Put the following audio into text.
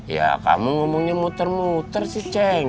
ya kamu ngomongnya muter muter sih ceng